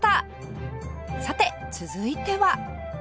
さて続いては